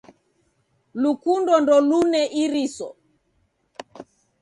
Lukundo ndolune iriso.